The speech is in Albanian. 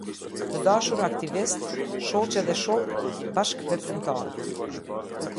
Të dashur aktivistë, shoqe dhe shokë, bashkëveprimtarë,